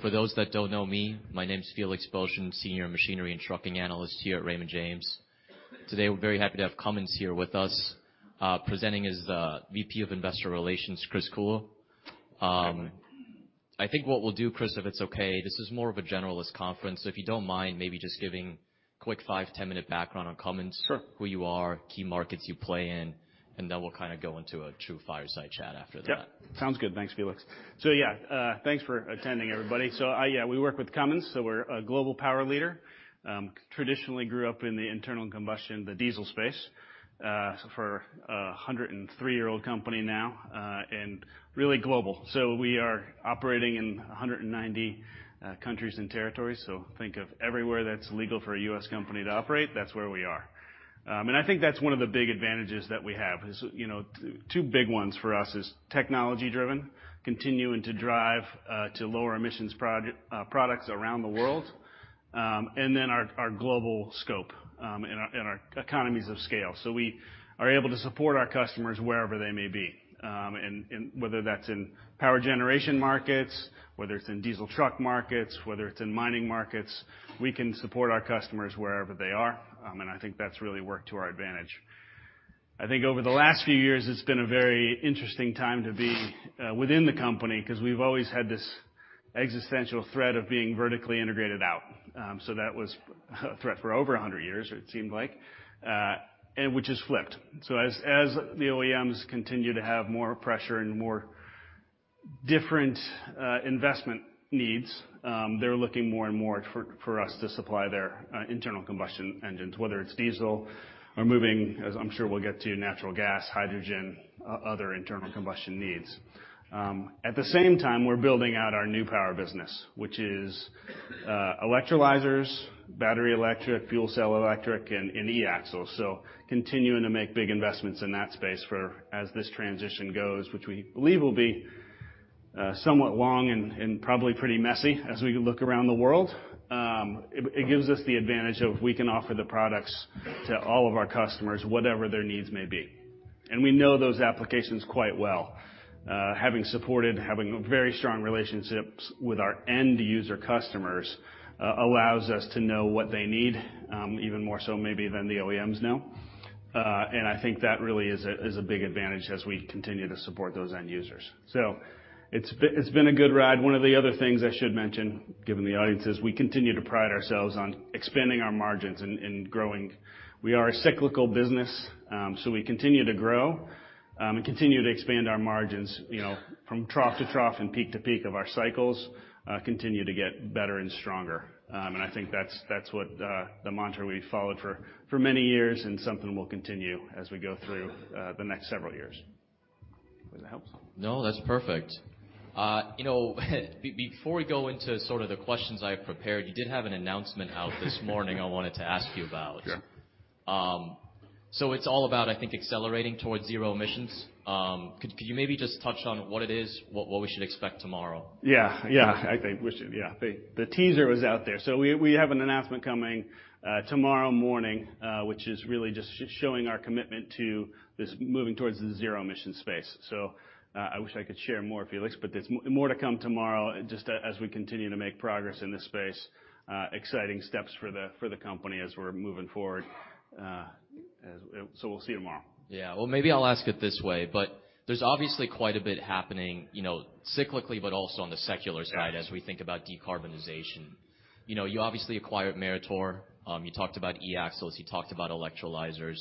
For those that don't know me, my name's Felix Boeschen, Senior Machinery and Trucking Analyst here at Raymond James. Today, we're very happy to have Cummins here with us. Presenting is the VP of Investor Relations, Chris Clulow. Good morning. I think what we'll do, Chris, if it's okay, this is more of a generalist conference. If you don't mind maybe just giving quick five to 10-minute background on Cummins. Sure. Who you are, key markets you play in, and then we'll kinda go into a true fireside chat after that. Yeah. Sounds good. Thanks, Felix. Yeah, thanks for attending, everybody. Yeah, we work with Cummins, so we're a global power leader. Traditionally grew up in the internal combustion, the diesel space, so for a 103-year-old company now, and really global. We are operating in 190 countries and territories, so think of everywhere that's legal for a U.S. company to operate, that's where we are. And I think that's one of the big advantages that we have is, you know, two big ones for us is technology driven, continuing to drive to lower emissions products around the world, and then our global scope and our economies of scale. We are able to support our customers wherever they may be, and whether that's in power generation markets, whether it's in diesel truck markets, whether it's in mining markets, we can support our customers wherever they are, and I think that's really worked to our advantage. I think over the last few years, it's been a very interesting time to be within the company, 'cause we've always had this existential threat of being vertically integrated out. So that was a threat for over 100 years, or it seemed like, and which has flipped. As the OEMs continue to have more pressure and more different investment needs, they're looking more and more for us to supply their internal combustion engines, whether it's diesel or moving, as I'm sure we'll get to, natural gas, hydrogen, other internal combustion needs. At the same time, we're building out our New Power business, which is electrolyzers, battery electric, fuel cell electric, and eAxles. Continuing to make big investments in that space for as this transition goes, which we believe will be somewhat long and probably pretty messy as we look around the world. It gives us the advantage of we can offer the products to all of our customers, whatever their needs may be. We know those applications quite well. Having supported, having very strong relationships with our end user customers, allows us to know what they need, even more so maybe than the OEMs know. I think that really is a big advantage as we continue to support those end users. It's been a good ride. One of the other things I should mention, given the audience, is we continue to pride ourselves on expanding our margins and growing. We are a cyclical business. We continue to grow and continue to expand our margins, you know, from trough to trough and peak to peak of our cycles, continue to get better and stronger. I think that's what the mantra we followed for many years and something we'll continue as we go through the next several years. Was that helpful? No, that's perfect. you know, before we go into sort of the questions I prepared, you did have an announcement out this morning, I wanted to ask you about. It's all about, I think, accelerating towards zero emissions. Could you maybe just touch on what it is, what we should expect tomorrow? Yeah. I think we should, yeah. The teaser was out there. We, we have an announcement coming tomorrow morning, which is really just showing our commitment to this moving towards the zero emission space. I wish I could share more, Felix, but there's more to come tomorrow just as we continue to make progress in this space. Exciting steps for the company as we're moving forward. We'll see you tomorrow. Yeah. Well, maybe I'll ask it this way, but there's obviously quite a bit happening, you know, cyclically, but also on the secular side as we think about decarbonization. You know, you obviously acquired Meritor. You talked about eAxles, you talked about electrolyzers.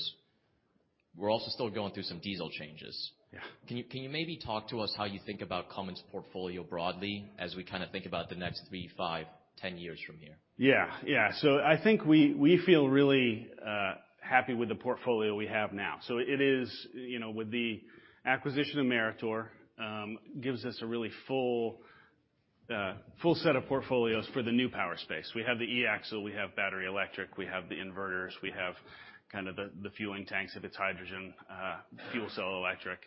We're also still going through some diesel changes. Can you maybe talk to us how you think about Cummins portfolio broadly as we kinda think about the next three, five, 10 years from here? Yeah. Yeah. I think we feel really happy with the portfolio we have now. It is, you know, with the acquisition of Meritor, gives us a really full set of portfolios for the new power space. We have the eAxle, we have battery electric, we have the inverters, we have kind of the fueling tanks if it's hydrogen, fuel cell electric.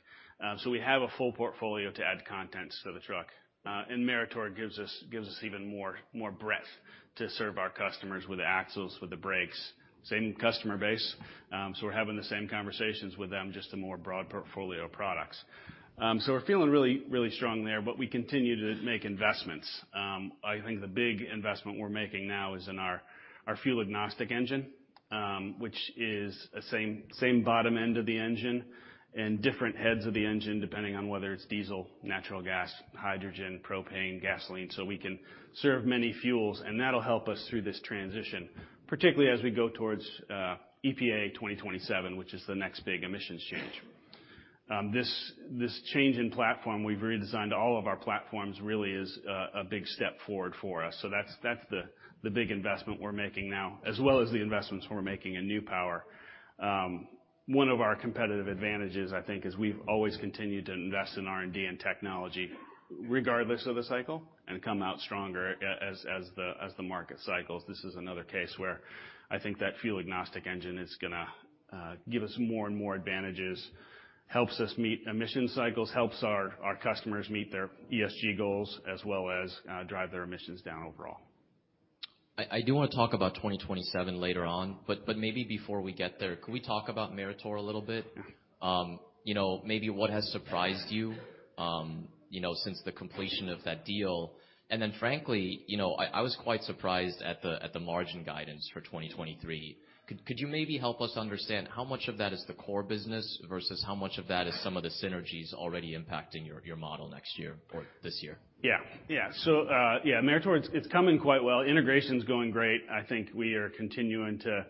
We have a full portfolio to add contents to the truck. Meritor gives us even more breadth to serve our customers with the axles, with the brakes. Same customer base, so we're having the same conversations with them, just a more broad portfolio of products. We're feeling really, really strong there. We continue to make investments. I think the big investment we're making now is in our fuel-agnostic engine, which is a same bottom end of the engine and different heads of the engine, depending on whether it's diesel, natural gas, hydrogen, propane, gasoline. We can serve many fuels, and that'll help us through this transition, particularly as we go towards EPA 2027, which is the next big emissions change. This change in platform, we've redesigned all of our platforms really is a big step forward for us. That's the big investment we're making now, as well as the investments we're making in New Power. One of our competitive advantages, I think, is we've always continued to invest in R&D and technology regardless of the cycle and come out stronger as the market cycles. This is another case where I think that fuel-agnostic engine is gonna give us more and more advantages, helps us meet emission cycles, helps our customers meet their ESG goals, as well as drive their emissions down overall. I do want to talk about 2027 later on, but maybe before we get there, could we talk about Meritor a little bit? You know, maybe what has surprised you know, since the completion of that deal? Frankly, you know, I was quite surprised at the margin guidance for 2023. Could you maybe help us understand how much of that is the core business versus how much of that is some of the synergies already impacting your model next year or this year? Yeah. Yeah. Meritor, it's coming quite well. Integration's going great. I think we are continuing to.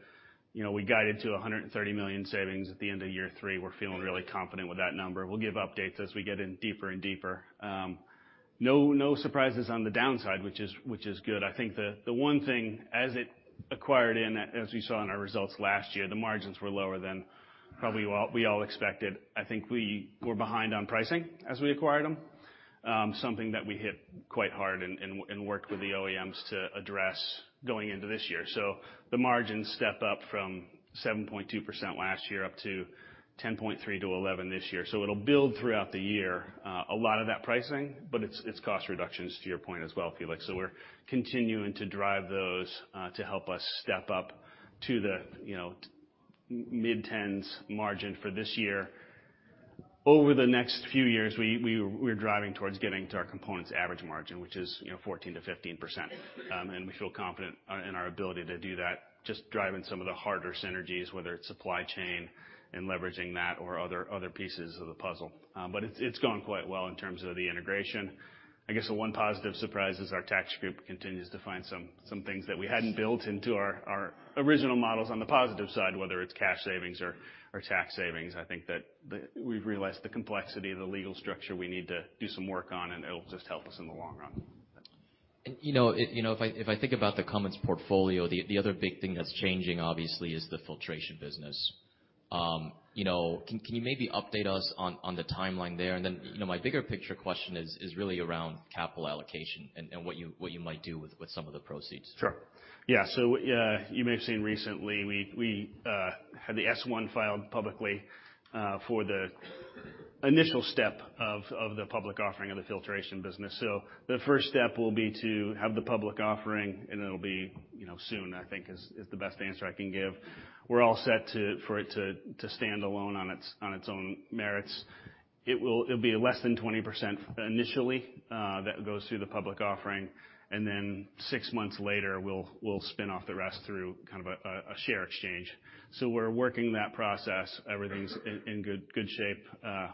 You know, we guided to $130 million savings at the end of year three. We're feeling really confident with that number. We'll give updates as we get in deeper and deeper. No surprises on the downside, which is good. I think the one thing as it acquired in, as we saw in our results last year, the margins were lower than probably we all expected. I think we were behind on pricing as we acquired them. Something that we hit quite hard and worked with the OEMs to address going into this year. The margins step up from 7.2% last year up to 10.3%-11% this year. It'll build throughout the year, a lot of that pricing, but it's cost reductions to your point as well, Felix. We're continuing to drive those, to help us step up to the, you know, mid-tens % margin for this year. Over the next few years, we're driving towards getting to our components average margin, which is, you know, 14%-15%. We feel confident in our ability to do that, just driving some of the harder synergies, whether it's supply chain and leveraging that or other pieces of the puzzle. It's, it's gone quite well in terms of the integration. I guess the one positive surprise is our tax group continues to find some things that we hadn't built into our original models on the positive side, whether it's cash savings or tax savings. I think that we've realized the complexity of the legal structure we need to do some work on. It'll just help us in the long run. You know, if I think about the Cummins portfolio, the other big thing that's changing obviously is the Filtration business. You know, can you maybe update us on the timeline there? Then, you know, my bigger picture question is really around capital allocation and what you might do with some of the proceeds. Sure. Yeah. You may have seen recently we had the S-1 filed publicly for the initial step of the public offering of the Filtration business. The first step will be to have the public offering, and it'll be, you know, soon, I think is the best answer I can give. We're all set for it to stand alone on its own merits. It'll be less than 20% initially that goes through the public offering, and then six months later, we'll spin off the rest through kind of a share exchange. We're working that process. Everything's in good shape.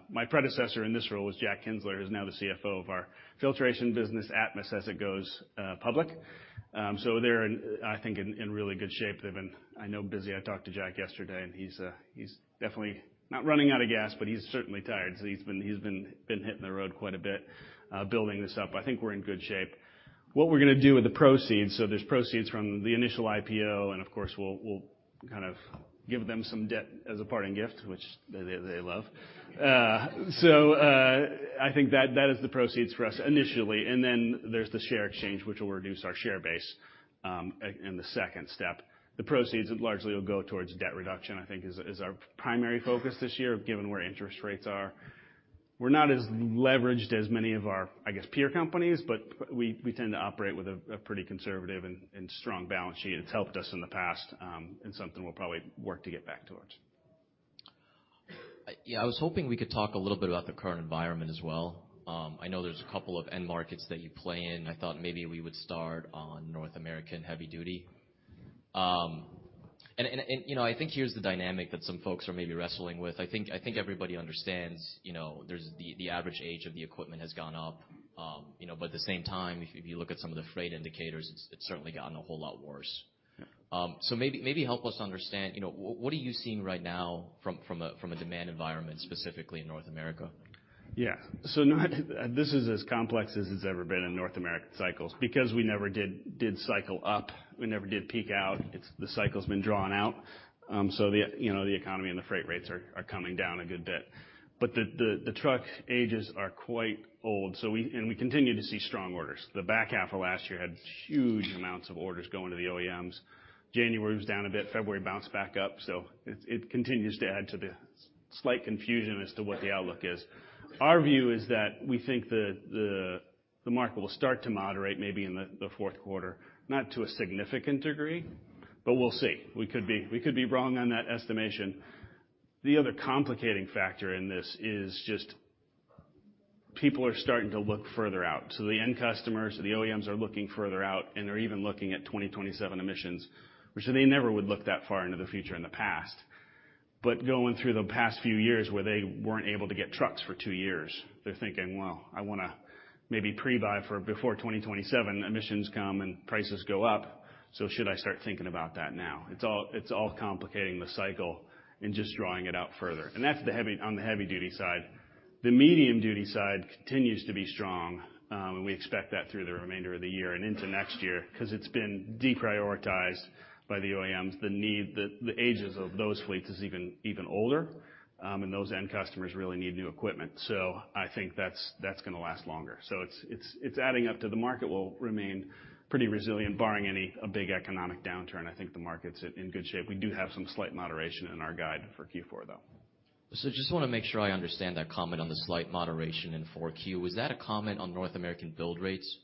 My predecessor in this role was Jack Kienzler, who's now the CFO of our Filtration business, Atmus, as it goes public. They're in, I think, in really good shape. They've been, I know, busy. I talked to Jack yesterday, and he's definitely not running out of gas, but he's certainly tired. He's been hitting the road quite a bit, building this up. I think we're in good shape. What we're gonna do with the proceeds. There's proceeds from the initial IPO, and of course, we'll kind of give them some debt as a parting gift, which they love. I think that is the proceeds for us initially. There's the share exchange, which will reduce our share base in the second step. The proceeds largely will go towards debt reduction, I think is our primary focus this year, given where interest rates are. We're not as leveraged as many of our, I guess, peer companies. We tend to operate with a pretty conservative and strong balance sheet. It's helped us in the past, and something we'll probably work to get back towards. Yeah. I was hoping we could talk a little bit about the current environment as well. I know there's a couple of end markets that you play in. I thought maybe we would start on North American heavy duty. You know, I think here's the dynamic that some folks are maybe wrestling with. I think everybody understands, you know, there's the average age of the equipment has gone up. You know, at the same time, if you look at some of the freight indicators, it's certainly gotten a whole lot worse. Maybe help us understand, you know, what are you seeing right now from a demand environment, specifically in North America? Yeah. This is as complex as it's ever been in North American cycles because we never did cycle up. We never did peak out. The cycle's been drawn out. The, you know, the economy and the freight rates are coming down a good bit. The truck ages are quite old. We continue to see strong orders. The back half of last year had huge amounts of orders going to the OEMs. January was down a bit, February bounced back up, it continues to add to the slight confusion as to what the outlook is. Our view is that we think the market will start to moderate maybe in the fourth quarter, not to a significant degree, but we'll see. We could be wrong on that estimation. The other complicating factor in this is just people are starting to look further out. The end customers, the OEMs are looking further out, and they're even looking at 2027 emissions, which they never would look that far into the future in the past. Going through the past few years where they weren't able to get trucks for two years, they're thinking, "Well, I wanna maybe pre-buy for before 2027 emissions come and prices go up. Should I start thinking about that now?" It's all complicating the cycle and just drawing it out further. That's on the heavy duty side. The medium duty side continues to be strong, and we expect that through the remainder of the year and into next year 'cause it's been deprioritized by the OEMs. The ages of those fleets is even older, and those end customers really need new equipment. I think that's gonna last longer. It's adding up to the market will remain pretty resilient barring a big economic downturn. I think the market's in good shape. We do have some slight moderation in our guide for Q4, though. Just wanna make sure I understand that comment on the slight moderation in 4Q. Was that a comment on North American build rates?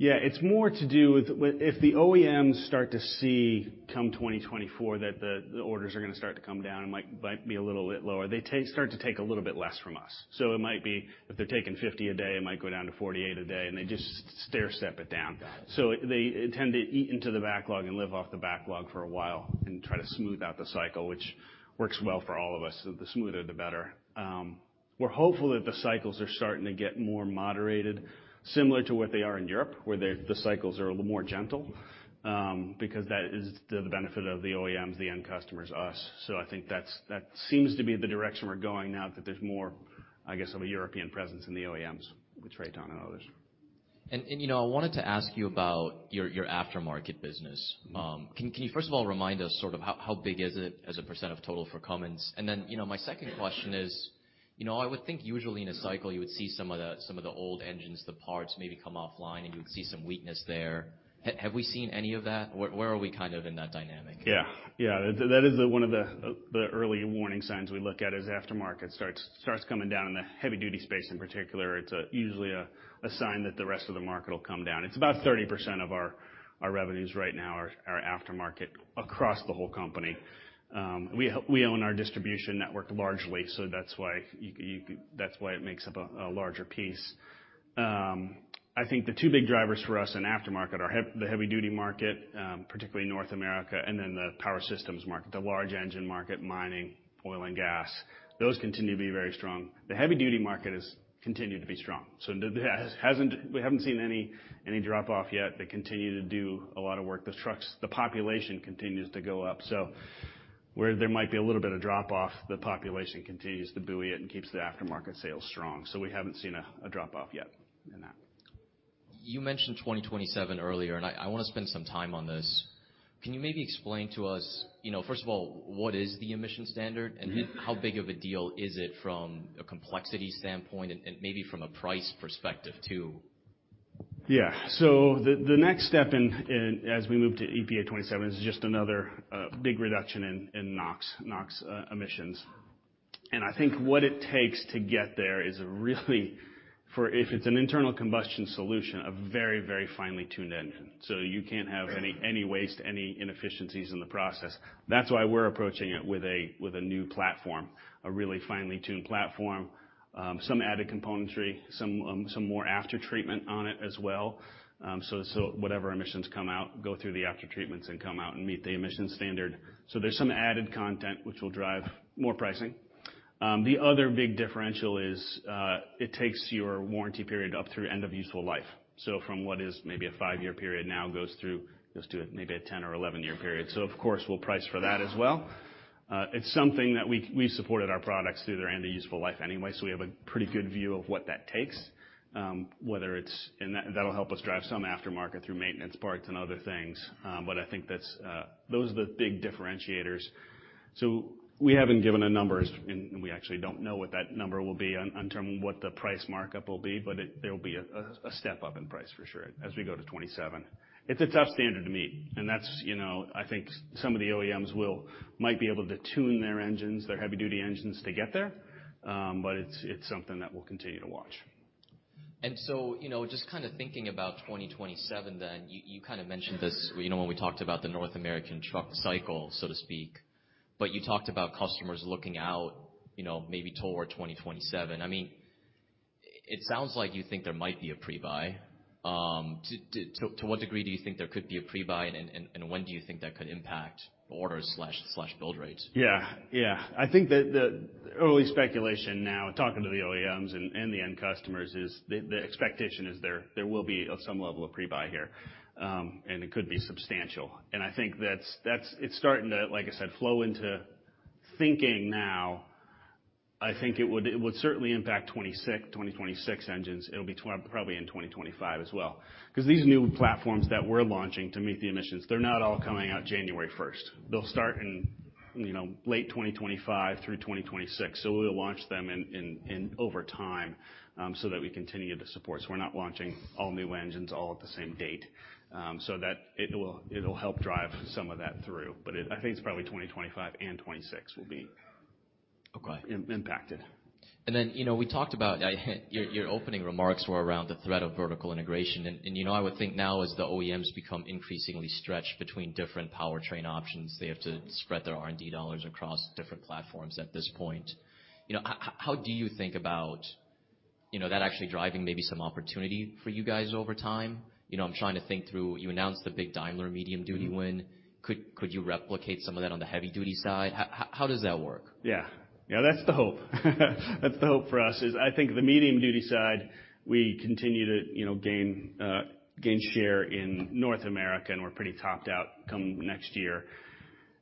Yeah. It's more to do with if the OEMs start to see, come 2024, that the orders are gonna start to come down and might be a little bit lower, they start to take a little bit less from us. It might be if they're taking 50 a day, it might go down to 48 a day, and they just stair step it down. Got it. They tend to eat into the backlog and live off the backlog for a while and try to smooth out the cycle, which works well for all of us. The smoother, the better. We're hopeful that the cycles are starting to get more moderated, similar to what they are in Europe, where the cycles are a little more gentle, because that is the benefit of the OEMs, the end customers, us. I think that seems to be the direction we're going now that there's more, I guess, of a European presence in the OEMs with TRATON and others. You know, I wanted to ask you about your aftermarket business. Can you first of all remind us sort of how big is it as a percent of total for Cummins? Then, you know, my second question is, you know, I would think usually in a cycle you would see some of the old engines, the parts maybe come offline, and you would see some weakness there. Have we seen any of that? Where are we kind of in that dynamic? Yeah. That is one of the early warning signs we look at as aftermarket starts coming down in the heavy duty space in particular. It's usually a sign that the rest of the market will come down. It's about 30% of our revenues right now are aftermarket across the whole company. We own our distribution network largely, so that's why it makes up a larger piece. I think the two big drivers for us in aftermarket are the heavy duty market, particularly North America, and then the Power Systems market, the large engine market, mining, oil and gas. Those continue to be very strong. The heavy duty market has continued to be strong. We haven't seen any drop off yet. They continue to do a lot of work. The trucks, the population continues to go up. Where there might be a little bit of drop off, the population continues to buoy it and keeps the aftermarket sales strong. We haven't seen a drop off yet in that. You mentioned 2027 earlier, and I wanna spend some time on this. Can you maybe explain to us, you know, first of all, what is the emission standard? How big of a deal is it from a complexity standpoint and maybe from a price perspective too? Yeah. The next step in as we move to EPA 2027 is just another big reduction in NOx emissions. I think what it takes to get there is a really-- for if it's an internal combustion solution, a very finely tuned engine. So you can have any waste, any inefficiencies in the process. That's why we're approaching it with a new platform, a really finely tuned platform. Some added componentry, some more aftertreatment on it as well. Whatever emissions come out, go through the aftertreatments and come out and meet the emissions standard. There's some added content which will drive more pricing. The other big differential is it takes your warranty period up through end of useful life. From what is maybe a five-year period now goes through, goes to a maybe a 10 or 11-year period. Of course, we'll price for that as well. It's something that we supported our products through their end of useful life anyway, so we have a pretty good view of what that takes, whether it's— That, that'll help us drive some aftermarket through maintenance parts and other things. I think that's, those are the big differentiators. We haven't given a number, we actually don't know what that number will be on term, what the price markup will be, but there will be a step up in price for sure as we go to 2027. It's a tough standard to meet, and that's, you know. I think some of the OEMs might be able to tune their engines, their heavy duty engines to get there, but it's something that we'll continue to watch. You know, just kind of thinking about 2027 then, you kind of mentioned this, you know, when we talked about the North American truck cycle, so to speak. you talked about customers looking out, you know, maybe toward 2027. I mean, it sounds like you think there might be a pre-buy. To what degree do you think there could be a pre-buy, and when do you think that could impact orders/build rates? Yeah. Yeah. I think that the early speculation now, talking to the OEMs and the end customers is the expectation there will be some level of pre-buy here. It could be substantial. I think that's, it's starting to, like I said, flow into thinking now. I think it would certainly impact 2026 engines. It'll be probably in 2025 as well. 'Cause these new platforms that we're launching to meet the emissions, they're not all coming out January 1st. They'll start in, you know, late 2025 through 2026. We'll launch them in over time, so that we continue to support. We're not launching all new engines all at the same date. So that it'll help drive some of that through. I think it's probably 2025 and 2026 impacted. Okay. Then, you know, we talked about. Your opening remarks were around the threat of vertical integration. You know, I would think now as the OEMs become increasingly stretched between different powertrain options, they have to spread their R&D dollars across different platforms at this point. You know, how do you think about, you know, that actually driving maybe some opportunity for you guys over time? You know, I'm trying to think through, you announced the big Daimler medium-duty win. Could you replicate some of that on the heavy duty side? How does that work? Yeah, that's the hope. That's the hope for us, is I think the medium duty side, we continue to, you know, gain share in North America. We're pretty topped out come next year.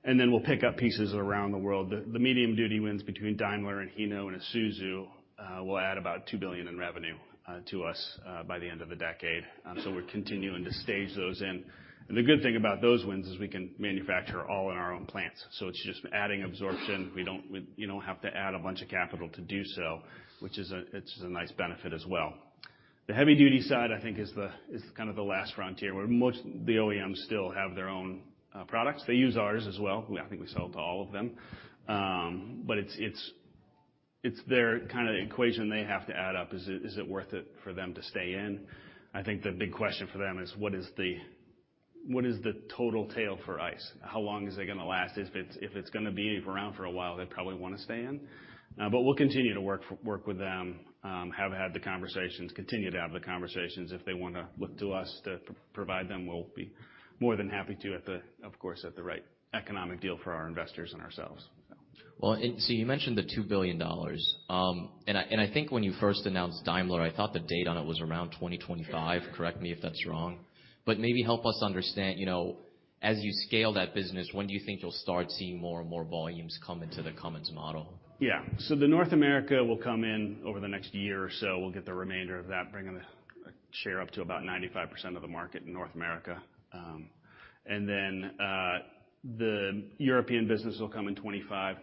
We'll pick up pieces around the world. The medium-duty wins between Daimler and Hino and Isuzu will add about $2 billion in revenue to us by the end of the decade. We're continuing to stage those in. The good thing about those wins is we can manufacture all in our own plants. It's just adding absorption. We, you know, have to add a bunch of capital to do so, which is it's a nice benefit as well. The heavy duty side, I think, is kind of the last frontier, where most the OEMs still have their own products. They use ours as well. I think we sell to all of them. It's their kinda equation they have to add up. Is it worth it for them to stay in? I think the big question for them is what is the total tail for ICE? How long is it gonna last? If it's gonna be around for a while, they probably wanna stay in. We'll continue to work with them, have had the conversations, continue to have the conversations. If they wanna look to us to provide them, we'll be more than happy to at the, of course, at the right economic deal for our investors and ourselves, so. You mentioned the $2 billion. I think when you first announced Daimler, I thought the date on it was around 2025. Correct me if that's wrong. Maybe help us understand, you know, as you scale that business, when do you think you'll start seeing more and more volumes come into the Cummins model? The North America will come in over the next year or so. We'll get the remainder of that, bringing the share up to about 95% of the market in North America. The European business will come in 2025.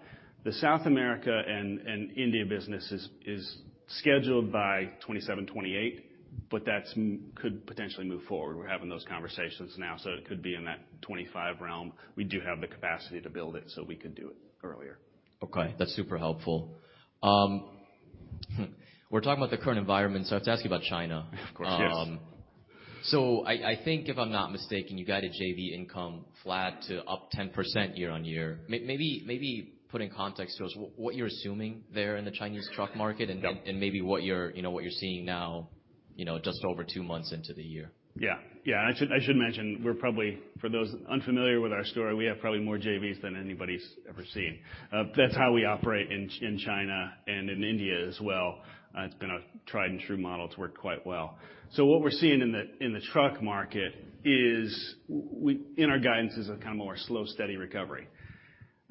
The South America and India business is scheduled by 2027, 2028, but that could potentially move forward. We're having those conversations now, so it could be in that 2025 realm. We do have the capacity to build it, so we could do it earlier. Okay. That's super helpful. We're talking about the current environment, so I have to ask you about China. Of course, yes. I think if I'm not mistaken, you guided JV income flat to up 10% year on year. Maybe put in context to us what you're assuming there in the Chinese truck market and maybe what you're, you know, what you're seeing now, you know, just over two months into the year. Yeah. Yeah. I should mention, we're probably, for those unfamiliar with our story, we have probably more JVs than anybody's ever seen. That's how we operate in China and in India as well. It's been a tried and true model. It's worked quite well. What we're seeing in the, in the truck market is in our guidance is a kind of more slow, steady recovery.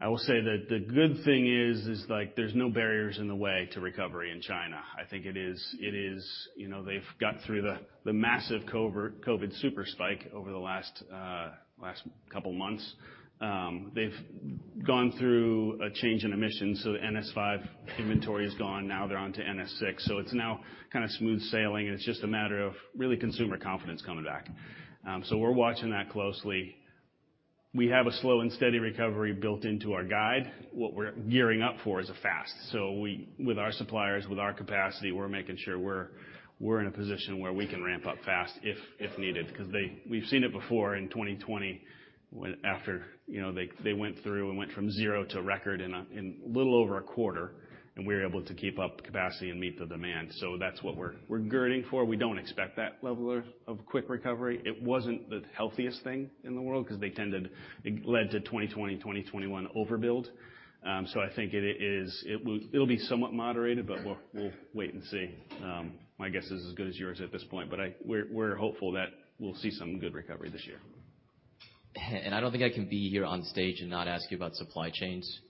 I will say that the good thing is, like, there's no barriers in the way to recovery in China. I think it is. You know, they've got through the massive COVID super spike over the last couple months. They've gone through a change in emissions, the NS5 inventory is gone. Now they're onto NS6. It's now kinda smooth sailing, and it's just a matter of really consumer confidence coming back. We're watching that closely. We have a slow and steady recovery built into our guide. What we're gearing up for is a fast. We with our suppliers, with our capacity, we're making sure we're in a position where we can ramp up fast if needed, 'cause we've seen it before in 2020 after, you know, they went through and went from zero to record in a little over a quarter, and we were able to keep up capacity and meet the demand. That's what we're girding for. We don't expect that level of quick recovery. It wasn't the healthiest thing in the world 'cause it led to 2020, 2021 overbuild. I think it'll be somewhat moderated, but we'll wait and see. My guess is as good as yours at this point, but we're hopeful that we'll see some good recovery this year. I don't think I can be here on stage and not ask you about supply chains.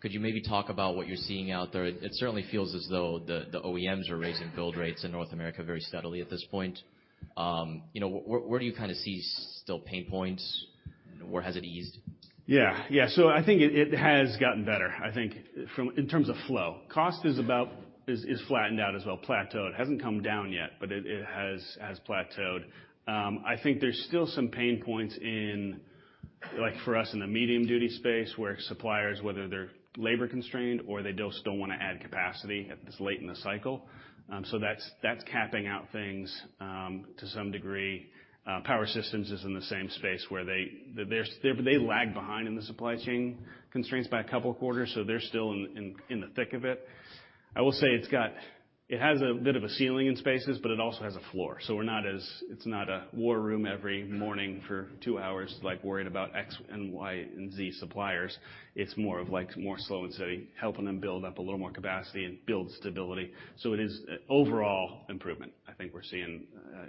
Could you maybe talk about what you're seeing out there? It certainly feels as though the OEMs are raising build rates in North America very steadily at this point. You know, where do you kinda see still pain points? Where has it eased? Yeah. Yeah. I think it has gotten better, I think, in terms of flow. Cost is flattened out as well, plateaued. Hasn't come down yet, but it has plateaued. I think there's still some pain points in, like, for us in the medium duty space, where suppliers, whether they're labor constrained or they don't still wanna add capacity this late in the cycle. That's, that's capping out things to some degree. Power Systems is in the same space where they lag behind in the supply chain constraints by a couple quarters, so they're still in the thick of it. I will say it has a bit of a ceiling in spaces, but it also has a floor. It's not a war room every morning for two hours, like, worried about X and Y and Z suppliers. It's more of, like, more slow and steady, helping them build up a little more capacity and build stability. It is overall improvement. I think we're seeing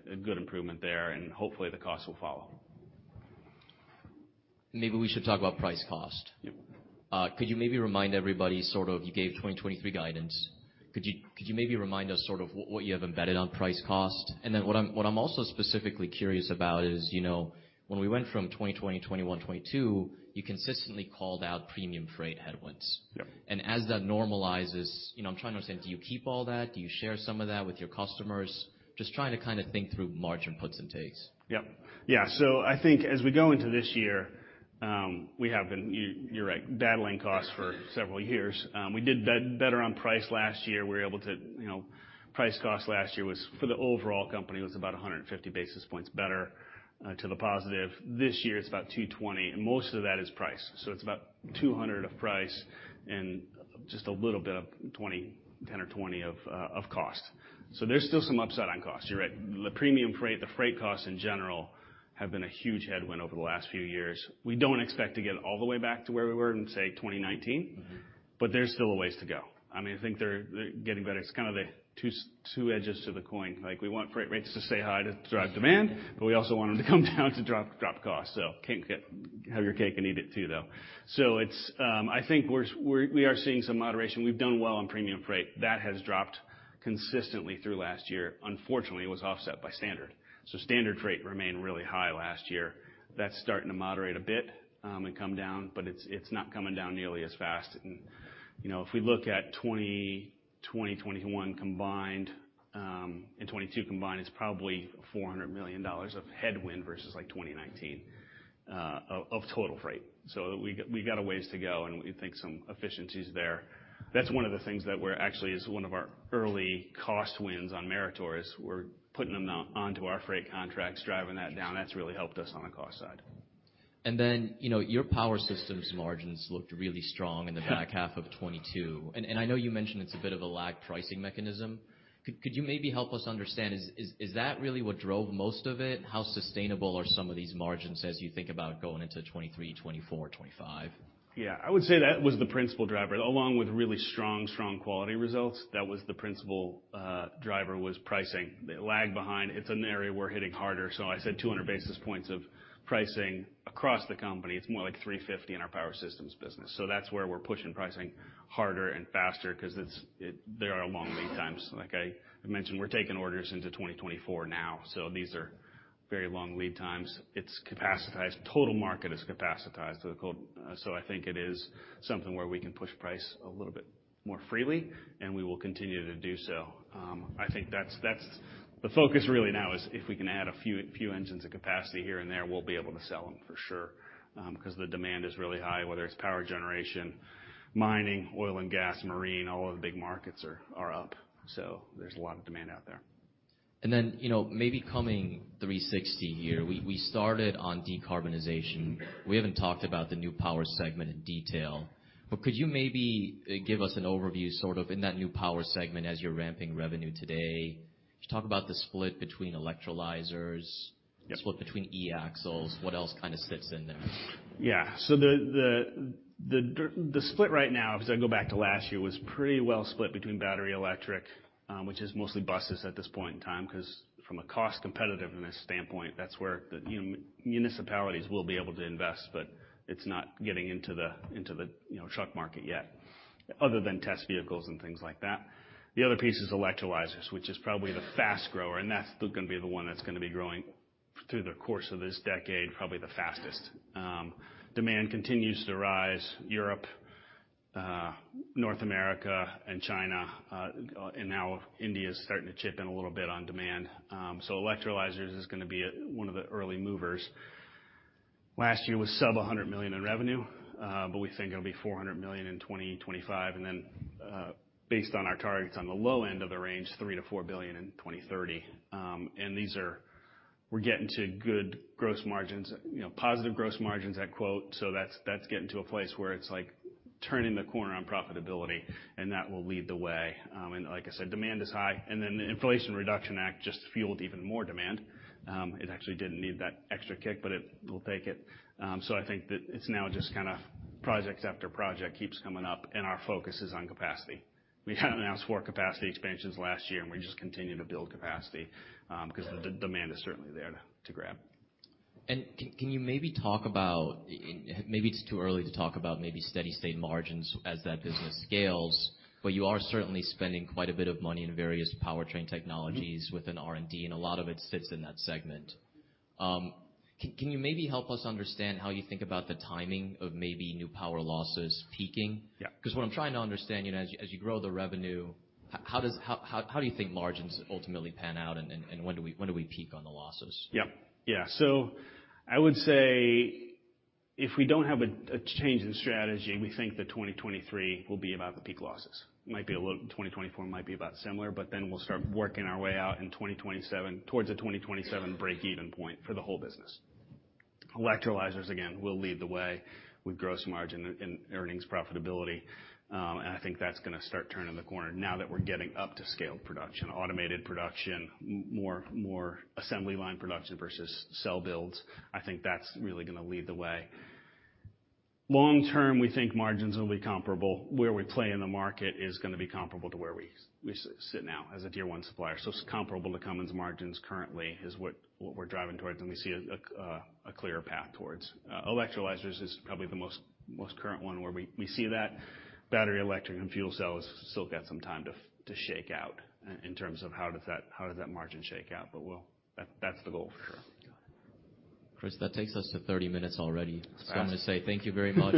a good improvement there, and hopefully the cost will follow. Maybe we should talk about price cost. Could you maybe remind everybody, sort of, you gave 2023 guidance. Could you maybe remind us, sort of, what you have embedded on price cost? What I'm also specifically curious about is, you know, when we went from 2020, 2021, 2022, you consistently called out premium freight headwinds. As that normalizes, you know, I'm trying to understand, do you keep all that? Do you share some of that with your customers? Just trying to kinda think through margin puts and takes. Yep. Yeah. I think as we go into this year, we have been, you're right, battling costs for several years. We did better on price last year. We were able to, you know, price cost last year was, for the overall company, was about 150 basis points better to the positive. This year, it's about 220 basis points, and most of that is price. It's about 200 basis points of price and just a little bit of 20 basis points, 10 basis points or 20 basis points of cost. There's still some upside on cost. You're right. The premium freight, the freight costs in general have been a huge headwind over the last few years. We don't expect to get all the way back to where we were in, say, 2019. There's still a ways to go. I mean, I think they're getting better. It's kind of the two edges to the coin. Like, we want freight rates to stay high to drive demand, but we also want them to come down to drop costs. Can't have your cake and eat it too, though. I think we are seeing some moderation. We've done well on premium freight. That has dropped consistently through last year. Unfortunately, it was offset by standard. Standard freight remained really high last year. That's starting to moderate a bit and come down, but it's not coming down nearly as fast. You know, if we look at 2021 combined, and 2022 combined is probably $400 million of headwind versus like 2019 of total freight. We got a ways to go, and we think some efficiencies there. That's one of the things that we're actually as one of our early cost wins on Meritor is we're putting them now onto our freight contracts, driving that down. That's really helped us on the cost side. You know, your Power Systems margins looked really strong in the back half of 2022. I know you mentioned it's a bit of a lag pricing mechanism. Could you maybe help us understand, is that really what drove most of it? How sustainable are some of these margins as you think about going into 2023, 2024, 2025? Yeah. I would say that was the principal driver, along with really strong quality results. That was the principal driver was pricing. They lag behind. It's an area we're hitting harder. I said 200 basis points of pricing across the company. It's more like 350 basis points in our Power Systems business. That's where we're pushing pricing harder and faster 'cause there are long lead times. Like I mentioned, we're taking orders into 2024 now, so these are very long lead times. It's capacitized. Total market is capacitized. I think it is something where we can push price a little bit more freely, and we will continue to do so. I think that's the focus really now is if we can add a few engines of capacity here and there, we'll be able to sell them for sure, because the demand is really high, whether it's power generation, mining, oil and gas, marine, all of the big markets are up. There's a lot of demand out there. You know, maybe coming 360 here, we started on decarbonization. We haven't talked about the New Power segment in detail. Could you maybe give us an overview, sort of in that New Power segment as you're ramping revenue today? Just talk about the split between electrolyzers, the split between eAxles. What else kind of sits in there? Yeah. The split right now, as I go back to last year, was pretty well split between battery electric, which is mostly buses at this point in time, 'cause from a cost competitiveness standpoint, that's where the municipalities will be able to invest, but it's not getting into the, into the, you know, truck market yet, other than test vehicles and things like that. The other piece is electrolyzers, which is probably the fast grower, and that's gonna be the one that's gonna be growing through the course of this decade, probably the fastest. Demand continues to rise, Europe, North America and China, and now India is starting to chip in a little bit on demand. Electrolyzers is gonna be one of the early movers. Last year was sub $100 million in revenue, but we think it'll be $400 million in 2025. Based on our targets on the low end of the range, $3 billion-$4 billion in 2030. We're getting to good gross margins, you know, positive gross margins at quote. That's getting to a place where it's like turning the corner on profitability, and that will lead the way. Like I said, demand is high. The Inflation Reduction Act just fueled even more demand. It actually didn't need that extra kick, but it will take it. I think that it's now just kinda project after project keeps coming up and our focus is on capacity. We had announced four capacity expansions last year, and we just continue to build capacity, 'cause the demand is certainly there to grab. Can you maybe talk about-- Maybe it's too early to talk about maybe steady state margins as that business scales, but you are certainly spending quite a bit of money in various powertrain technologies within R&D, and a lot of it fits in that segment. can you maybe help us understand how you think about the timing of maybe New Power losses peaking? What I'm trying to understand, you know, as you grow the revenue, how do you think margins ultimately pan out and when do we peak on the losses? Yeah. I would say if we don't have a change in strategy, we think that 2023 will be about the peak losses. 2024 might be about similar, then we'll start working our way out in 2027, towards the 2027 break-even point for the whole business. Electrolyzers, again, will lead the way with gross margin and earnings profitability. I think that's gonna start turning the corner now that we're getting up to scale production, automated production, more assembly line production versus cell builds. I think that's really gonna lead the way. Long term, we think margins will be comparable. Where we play in the market is gonna be comparable to where we sit now as a tier one supplier. It's comparable to Cummins margins currently is what we're driving towards, and we see a clearer path towards. Electrolyzers is probably the most current one where we see that. Battery electric and fuel cells still got some time to shake out in terms of how does that margin shake out. That's the goal for sure. Chris, that takes us to 30 minutes already. I'm gonna say thank you very much.